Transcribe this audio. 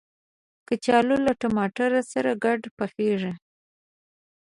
کچالو له ټماټر سره ګډ پخیږي